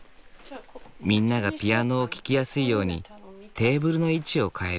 みんながピアノを聴きやすいようにテーブルの位置を変える。